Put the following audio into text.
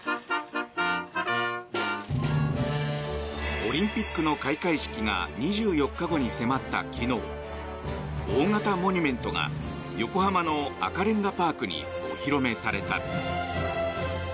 オリンピックの開会式が２４日後に迫った昨日大型モニュメントが横浜の赤レンガパークにお披露目された。